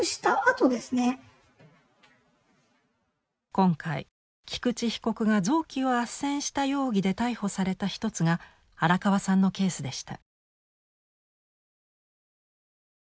今回菊池被告が臓器をあっせんした容疑で逮捕された一つが荒川さんのケースでした。